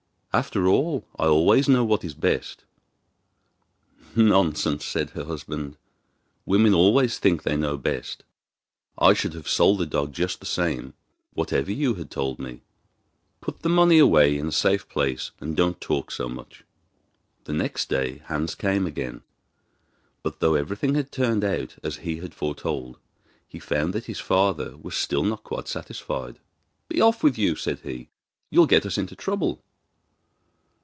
After all, I always know what is best.' 'Nonsense!' said her husband; 'women always think they know best. I should have sold the dog just the same whatever you had told me. Put the money away in a safe place, and don't talk so much.' The next day Hans came again; but though everything had turned out as he had foretold, he found that his father was still not quite satisfied. 'Be off with you!' said he, 'you'll get us into trouble.